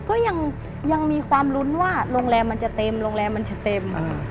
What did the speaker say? ก็ยังมีความลุ้นว่าโรงแรมมันจะเต็มโรงแรมมันจะเต็ม